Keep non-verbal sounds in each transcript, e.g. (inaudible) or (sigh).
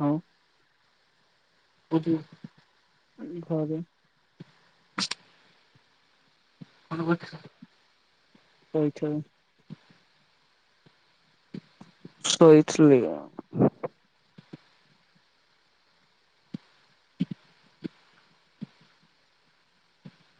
ହଁ କୋଉଠି କେବେ ଘରେ। କଣ କରିଥିଲ? ଏଇଠୁ ଶୋଇଥିଲି ଆଜ୍ଞା।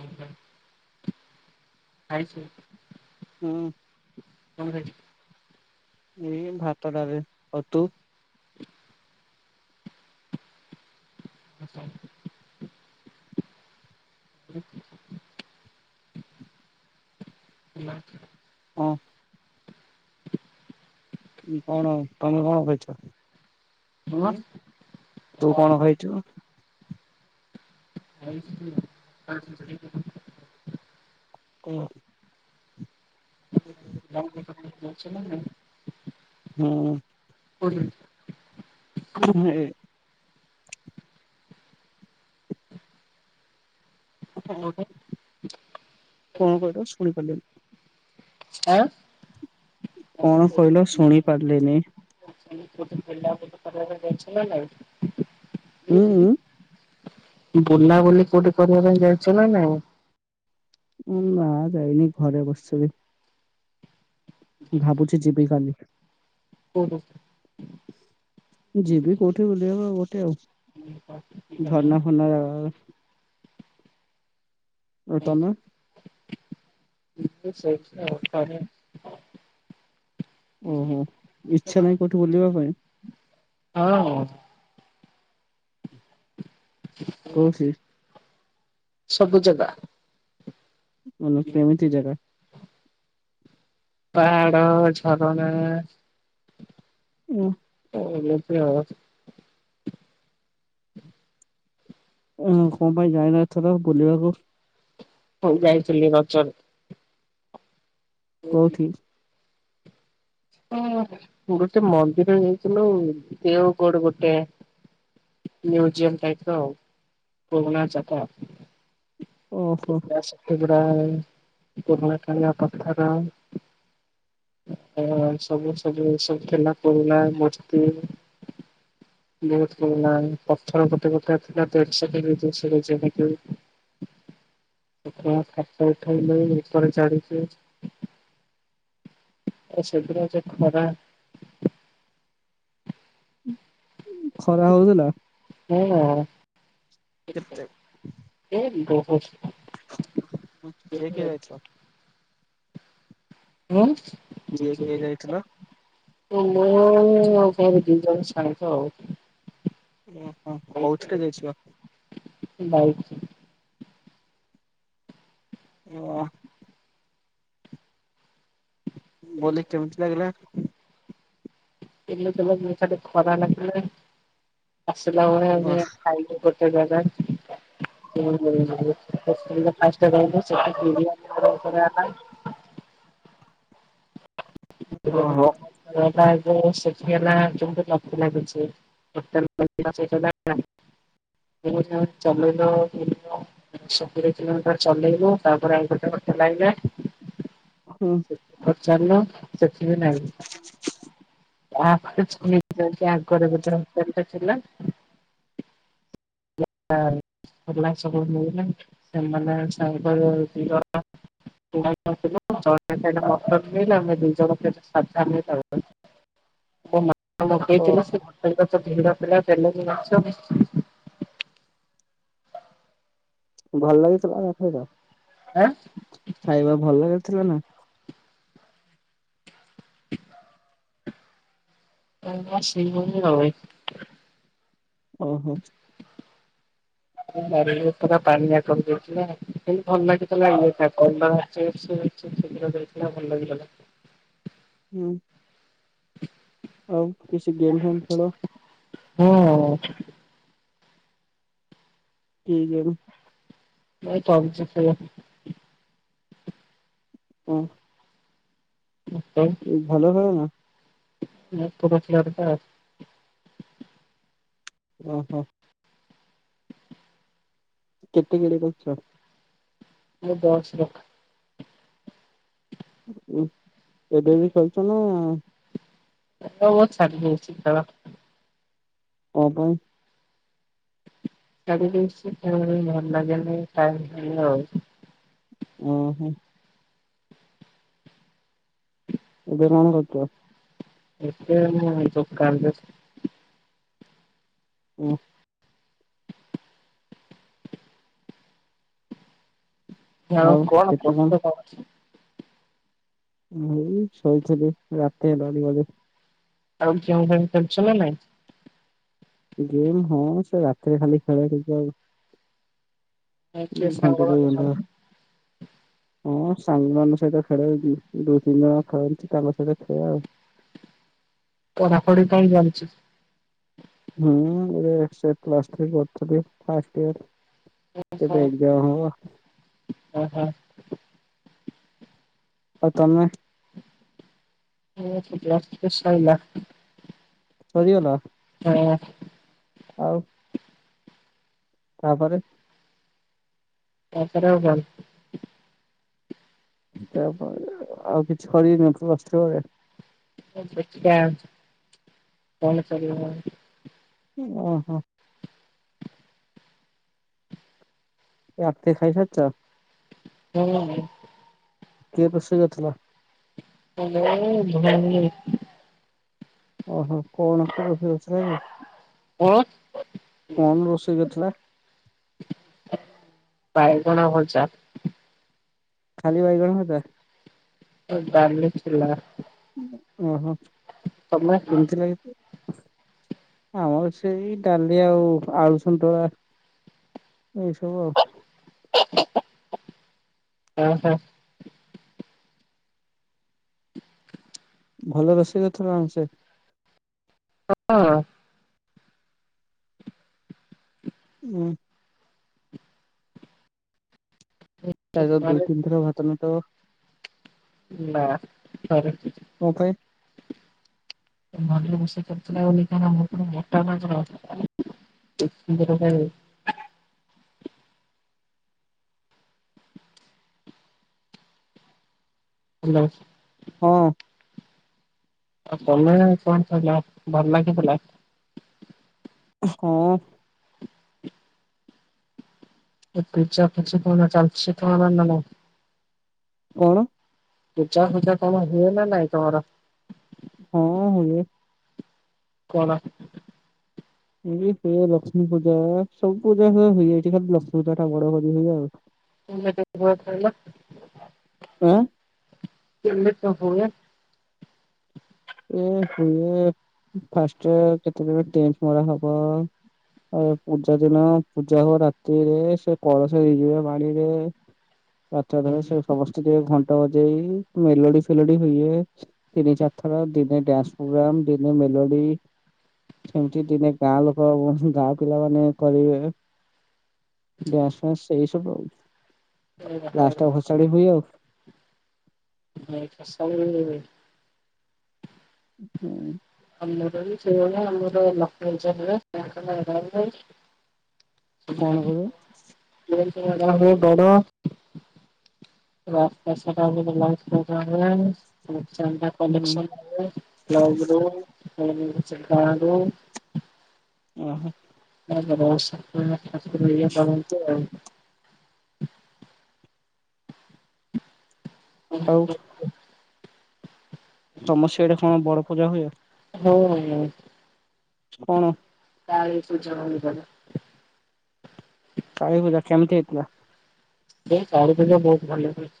ଉଁ ହୁଁ। ଖାଇଚୁ? ହୁଁ। ଖାଇଛୁ? ଏଇ ଭାତଡାଲି ଆଉ ତୁ? (unintelligible) (unintelligible) (unintelligible) ହଁ। କଣ ତମେ କଣ ଖାଇଚ ଉ ତୁ କଣ ଖାଇଚୁ? (unintelligible) କଁ? (unintelligible) ହୁଁ କୋଉଠି (unintelligible) ଏ ହଁ କଣ କହିଲୁ ଶୁଣିପାରିଲିନି? ଆଁ। କଣ କହିଲ ଶୁଣି ପାରିଲିନି? ପଚାରିଲି (unintelligible) ଅଛିନା ନାଇଁ? ଉଁ ଉଁ ବୁଲାବୁଲି କୋଉଠି କରିବା ପାଇଁ ଯାଇଛନା ନାଇଁ? ଉଁ ନା ଯାଇନି ଘରେ ବସିବି। ଭାବୁଚି ଯିବି କାଲି। କୋଉଠୁ? ଯିବି କୋଉଠି ବୁଲିବାକୁ ଗୋଟେ ଆଉ। (unintelligible) ସାନ ଘାଗରା ଆଉ ତମେ? (unintelligible) ଓହୋ ଇଚ୍ଛା ନାହିଁ କୋଉଠି ବୁଲିବା ପାଇଁ? ହଁ। କୋଉଠି? ସବୁ ଜାଗା। (unintelligible) କେମିତି ଦେବେ? ପାହାଡ ଝରଣା ହୁଁ। ଏମିତି ଆଉ। ହ କଣ ପାଇଁ ଯାଇନଥର ବୁଲିବାକୁ? ହଉ ଯାଇଥିଲି ରଜରେ। କୋଉଠି? ହ ଗୋଟେ ମନ୍ଦିର ହେଇଥିଲୁ ଦେଓଗଡ ଗୋଟେ ମ୍ୟୁଜିୟମ ଟାଇପର ପୁରୁଣା (unintelligible) ଓହୋ। ଶତିଗଡା ପୁରୁଣାଖଣିର ପଥର ହ ସବୁ ସବୁ ସବୁ ଖେଲା ପିଲା ମସ୍ତି (unintelligible) ପଥର (unintelligible) ଯେମିତି (unintelligible) ଫଟ ଉଠେଇଲେ ଉପରେ ଚଢିଲେ। ଆ ସେଦିନ ସେ ଖରା ଖରା ହଉଥିଲା। ହଁ। କେତେ? ଏ ବହ (unintelligible) କିଏ କିଏ ଯାଇଛ? ଆ କିଏ କିଏ ଯାଇଥିଲ? (unintelligible) ସାଙ୍ଗ ଆଉ ଓହୋ କୋଉଥିରେ ଯାଇଥିଲ? ବାଇକ (unintelligible) ବୋଲେ କେମତି ଲାଗିଲା? (unintelligible) ତଲି ଖରା ଲାଗିଲ ଆସିଲ ଖାଇବ ସେ ଜାଗା (unintelligible) ଓହୋ ଯୋଉ ସେଠି ହେଲା କେମତି ଲ ଲାଗୁଛି। (unintelligible) ଚଲେଇଲୁ। ତୋରି କିଲୋମିଟର ଚଲେଇବୁ ତାପରେ ଆଉ ଗୋଟେ କଟ ଲାଗବେ। ହଁ। କରଛନ ସେ ନାଇଁ ତା ଆଗରେ (unintelligible) ସବ ମିଳିଲ ସେମାନେ ସାଙ୍କର (unintelligible) (unintelligible) ସେ ତ ଭିଡ ଓହୋ ପିଲା ତେଲନ ମାଛ ଭଲ ଲାଗିଥିଲା ତା ସହିତ ଆଁ। ଖାଇବା ଭଲ କରିଥିଲା ନା (unintelligible) ଓହୋ। ବାରି ହୋଥୁଲା ପାଣିଆ କରି ଦେଇଥିଲା ସେ ଭଲ ଲାଗିଥିଲା ଇଏଯାହା କରିଦେଇଚି। ସେସିଘ୍ର ଦେଥିଲା ଭଲ ଲାଗିଗଲ। ହୁଁ। ଆଉ କିଛି ଗେମ୍ ଫେମ୍ ଖେଳ? ହଁ। କି ଗେମ୍? ଚାଲିଚି ଖେଳ। ଉଁ। (unintelligible) ଭଲ ଖେଳନା? ମତେ ରଖିବାରୁ ଫାଷ୍ଟେ। ଓହୋ। କେତେ ବଡ଼ କରିଚ? ମୋ ବସ୍ ରଖା। ଉଁ ଏବେ ବି କରୁଚ ନାଁ? ଏବେପା ଛାଡିକି ଆସିଚି ଟାୱାର। କ ପାଇଁ? ଛାଡିକି ଆସିଚି ଖେଳିଵାପାଇଁ ଭଲଲାଗେ ନାହିଁ ଟାଡହେଲ। ଉଁ ହୁଁ। ଏବେ ରୁହିଁ ଯାତ୍ରା। ଏତେ ଵେଳଯାଏ କଣ କରୁଚ ଗାଁ ରେ ବସ୍? ଉଁ। ହଁ ଆଉ କଣ କେତେ କରୁଚ ତମେଆସି କି? ମୁଁ ଶୋଇଥିଲି ରାତି ହେଲାଣି ଏବେ। ଆଉ ଯାହା ଯେମିତି କରୁଚ ନାନାହଁ? ଗେମ୍ ହଁ ସେ ରାତିରେ ଖାଲି ଖେଳେ ଟିକେ ଆଉ। ଆଉ କିଏ ସାଙ୍ଗମାନେ ସବୁ (inaudible) ମୁଁ ସାଙ୍ଗମାନଙ୍କ ସହିତ ଖେଳେ, ଦୁଇ ତିନି ଜଣ ଖେଳନ୍ତି ତାଙ୍କ ସହିତ ଖେଳେ ଆଉ। ପଢାପଢି ପାଇଁ ଯାଉଛି। ହୁଁ ଏବର୍ଷ ପ୍ଲସଥ୍ରୀ କରିଥିଲି, ଯେ ଫାଷ୍ଟେୟର୍। ଓହୋ ଓହୋ। ଆଉ ତମେ? ମୋରପ୍ଲସ୍ ଟୁ ସଇଲା। ସରିଗଲା। ହଁ। ଆଉ? ତାପରେ? ତାପରେ ଆଉ କଣ? ତା ପାଇଁ ଆଉକିଛି କହିବାର ଅଛି ଅତ୍ର। ଅପେକ୍ଷା କଣ କରିବ ଆଉ? ଓହୋ। ରାତିରେ ଖାଇସାରିଚ? ହୁଁ। କିଏ ରୋଷେଇ କରିଥିଲା? କେଜାଣି ଭୋଉଣୀ ଜୋଇଁ। ଓହୋ କଣ (unintelligible) (unintelligible) କଣ ରୋଷେଇ କରିଥିଲା? ବାଇଗଣ ଭଜା। ଖାଲି ବାଇଗଣ ଭଜା? ଏ ଡାଲି ଥିଲା। ଓହୋ ତମେ କେମିତି ଲାଗିଚି? ଆମର ସେଇ ଡାଲି ଆଉ ଆଳୁ ସନ୍ତୁଳା ଏଇସବୁ ଆଉ। (unintelligible) ଭଲ ରୋଷେଇ କରିଥିଲା ଆମର ସେ। (inaudible) ଉଁ। (unintelligible) ଦୁଇ ଘରେ ତିନିଥର ଭାତ ନଥବ ନା (unintelligible) ମୋ ପାଇଁ। (unintelligible) ହାଲୋ। ହଁ। ଆ ତମେ କଣ କହିଲ ଭଲ୍ ଲାଗିଥିଲା। ହଁ। ଏ ପିଞ୍ଚା ପିଞ୍ଚି କଣ ଚାଲିଚି ତ ଆମର ନା ନାଇଁ? କଣ? ପୂଜା ଫୁଜା କଣ ହୁଏ ନା ନାଇଁ ତମର? ହଁ ହୁଏ। କଲା। ଏଇ ହୁଏ ଲକ୍ଷ୍ମୀ ପୂଜା ସବୁ ପୂଜା ହୁଏ ଖାଲି ଲକ୍ଷ୍ମୀ ପୂଜାଟା ବଡ କରି ହୁଏ ଆଉ। ଆଁ (unintelligible) ଓ ହୋ ଫାଷ୍ଟେ କେତେବେଳେ ଟେଣ୍ଟ୍ ମରା ହବ। ଏ ପୂଜା ଦିନ ପୂଜା ହବ ରାତିରେ ସେ କଳସ ହେଇଯିବେ ପାଣିରେ। (unintelligible) ଏଠି ଟିକେ ଘଣ୍ଟ ବଜେଇ ମେଲୋଡି ଫେଲୋଡି ହୁଏ ତିନି ଚାରି ଏଥର ଦିନେ ଡ୍ୟାନ୍ସ୍ ପୋଗ୍ରାମ୍ ଦିନେ ମେଲୋଡି ସେମିତି ଦିନେ ଗାଁ ଲୋକ ଗାଁ ପିଲାମାନେ କରିବେ ଡ୍ୟାନ୍ସ୍ ଫ୍ୟାନ୍ସ୍ ସେଇ ସବୁ ଆଉ ଲାଷ୍ଟ ଟା ଭସାଣି ହୁଏ ଆଉ। (inaudible) ହୁଁ। ଆମର ବି ସେଇଆ ହୁଏ ଆମର ଲକ୍ଷ୍ମୀପୂଜା ହୁଏ କଣ କହିଲ (unintelligible) (unintelligible) ରାସ୍ତାସାରା ଆମର ଲାଇଟ୍ ଲଗା ହୁଏ ଓ ଚାନ୍ଦା ହୁଁ କନେକ୍ସନ ହୁଏ ଲାଇନ୍ ବୋର୍ଡ (unintelligible) ଓହୋ। (unintelligible) ଆଉଟ୍। ତମର ସିଆଡେ କଣ ବଡ ପୂଜା ହୁଏ? ହଁ ହଏ କଣ କାଳୀ ପୂଜା ହୁଏ ବା କାଳୀ ପୂଜା କେମିତି ହେଇଥିଲା କାଳୀ ପୂଜା ବହୁତ ଭଲ ହୁଏ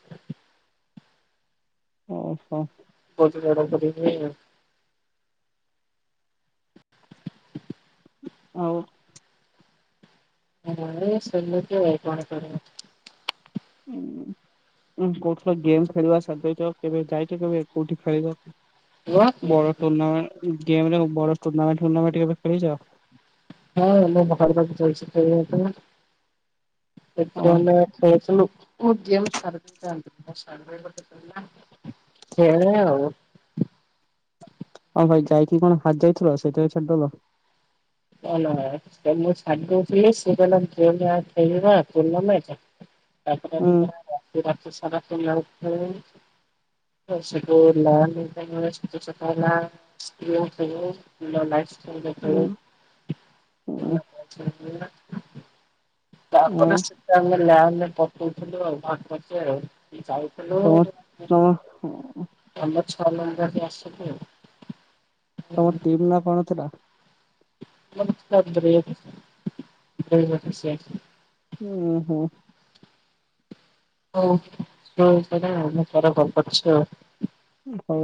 ଓହୋ କୋଉଥିରୁ ଅର୍ଡର କରିିବି ଆଉ ମୁଁ ସେମିତି ଆଉ କଣ କରିବ ଉଁ ଉଁ କହୁଥିଲା ଗେମ୍ ଖେଳିବା ଛାଡ଼ିଦେଇଛ କେବେ ଯାଇଛ କେବେ କୋଉଠି ଖେଳିବାକୁ ହଁ ବଳ ତୁମେ ଗେମେରେ କଣ ବଡ଼ ତୁନାମେଣ୍ଟ ଫୁନାମେଣ୍ଟ କେବେ ଖେଳିଚ ହଁ ମୋ ଘର ପାଖେ ଯାଇଛି ଖେଳିବାକୁ (inaudible) ମୁଁ ଗେମ ଛାଡ଼ି ଖେଳେ ଆଉ ହଁ, ଭାଇ ଯାଇକି କଣ ହାରି ଯାଇଥିଲ ସେଇଥି ପାଇଁ ଛାଡିଦଲ। ସେ ମୁଁ ଛାଡି ଦଉଥିଲି ସେ କହିଲା (inaudible) ଉଁ ତାପରେ ସା (unintelligible) (unintelligible) ଉଁ ଉଁ ତାପରେ ସେ ସେ ଆମେ ଲ୍ୟାବରେ ପକଉଥିଲୁ ଆଉ ଭଛ ଆଉ ଯାଉଥିଲୁ। ଆଉ ତମ ତମ ଆମ ଛଅ ନମ୍ବର ଆସିବୁ ଆଉ। ତମ ଟିମ୍ ନା କଣ ଥିଲା? (unintelligible) ଉହୁଁ। ହଉ ମୁଁ ପରେ କଲ କରଛି ଆଉ। ହଉ।